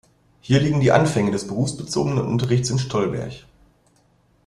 Hier liegen die Anfänge des berufsbezogenen Unterrichts in Stolberg.